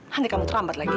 nanti kamu terlambat lagi